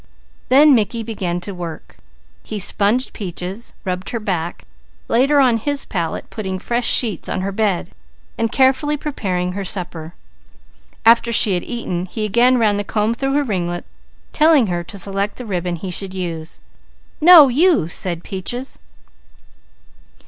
Then Mickey began work. He sponged Peaches, rubbed her back, laid her on his pallet, putting fresh sheets on her bed and carefully preparing her supper. After she had eaten he again ran the comb through her ringlets, telling her to select the ribbon he should use. "No you!" said Peaches.